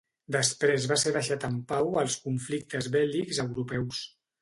Després va ser deixat en pau als conflictes bèl·lics europeus.